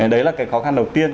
đấy là cái khó khăn đầu tiên